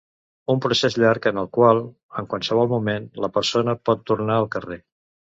Un procés llarg en el qual, en qualsevol moment, la persona pot tornar al carrer.